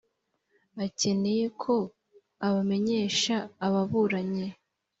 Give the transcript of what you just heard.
akeneye ko abamenyesha ababuranyi